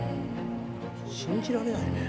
信じられないね。